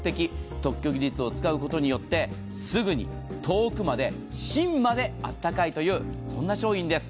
特許技術を使うことによって、すぐに遠くまで芯まであったかいという商品です。